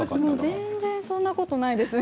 全然そんなことないですね。